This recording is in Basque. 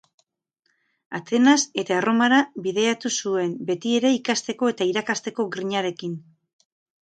Atenas eta Erromara bidaiatu zuen, betiere ikasteko eta irakasteko grinarekin.